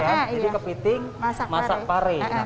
jadi kepiting masak pare